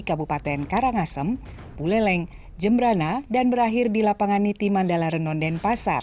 dan berakhir pada puncak peringatan hud ke tujuh puluh empat tni di lapangan niti mandala renon dan pasar